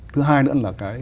thứ hai nữa là cái